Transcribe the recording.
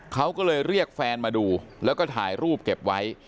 เขาก็เลยเรียกแฟนมาดูแล้วก็ถ่ายรูปเก็บไว้